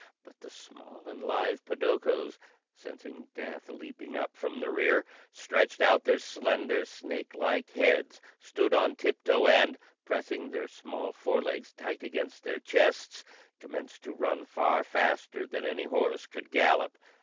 But the small and lithe podokos, sensing death leaping up from the rear, stretched out their slender, snake like heads, stood on tiptoe, and, pressing their small forelegs tight against their chests, commenced to run far faster than any horse could gallop.